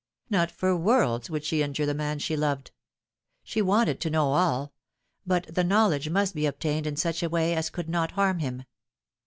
Not for worlds would she injure the man she loved. She wanted to know all ; but the knowledge must be obtained in such a way as could not harm him.